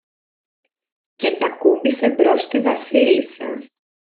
και τ' ακούμπησε μπρος στη Βασίλισσα.